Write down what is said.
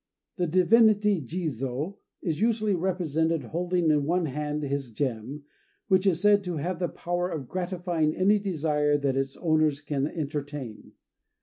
The divinity Jizô is usually represented holding in one hand this gem, which is said to have the power of gratifying any desire that its owner can entertain.